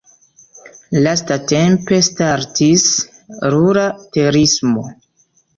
Lastatempe startis rura turismo.